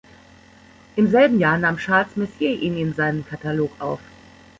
Im selben Jahr nahm Charles Messier ihn in seinen Katalog auf.